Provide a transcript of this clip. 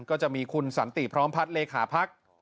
ก็จะมีคุณสันติพร้อมพัฒน์เลขาพัก